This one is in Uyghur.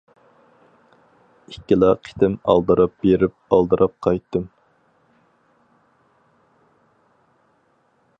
ئىككىلا قېتىم ئالدىراپ بېرىپ ئالدىراپ قايتتىم.